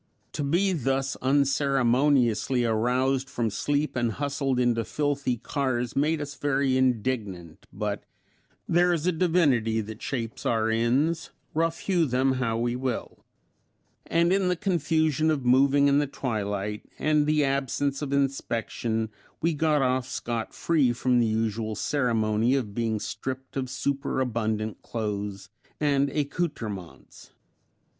To be thus unceremoniously aroused from sleep and hustled into filthy cars made us very indignant, but "There is a divinity that shapes our ends; rough hew them how we will," and in the confusion of moving in the twilight, and the absence of inspection we got off scot free from the usual ceremony of being stripped of superabundant clothes and accouterments.